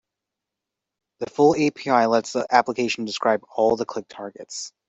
The full API lets the application describe all the click targets.